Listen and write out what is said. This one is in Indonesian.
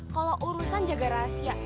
kalo urusan jaga rahasia